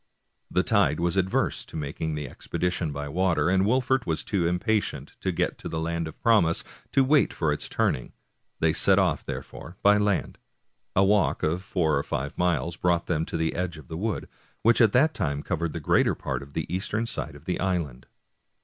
The tide was adverse to making the expedition by water, and Wolfert was too impatient to get to the land of promise to wait for its turning; they set off, therefore, by land. A walk of four or five miles brought them to the edge o f a wood, which at that time covered the greater part of the eastern side of the island.